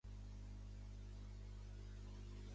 El lloc web principal és nationwide.co.uk.